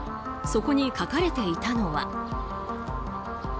そこに書かれていたのは。